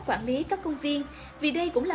quản lý các công viên vì đây cũng là